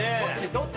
どっち？